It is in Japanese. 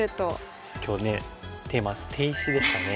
今日ねテーマ捨て石ですからね。